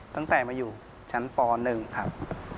ตั้งแต่มาอยู่ชั้นป๑ครับ